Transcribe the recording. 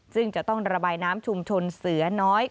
ซึ่งจะต้องระบายน้ำชุมชนเสือน้อย